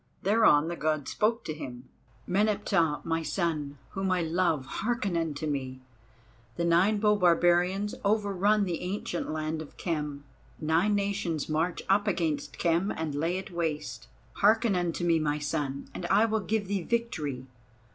Thereon the God spoke to him:— "Meneptah, my son, whom I love, hearken unto me. The Nine bow barbarians overrun the ancient land of Khem; nine nations march up against Khem and lay it waste. Hearken unto me, my son, and I will give thee victory.